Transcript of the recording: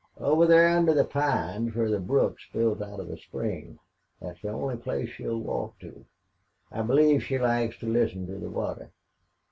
"Over thar under the pines whar the brook spills out of the spring. Thet's the only place she'll walk to. I believe she likes to listen to the water.